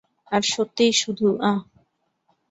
আর সত্যিই, শুধু, আহ!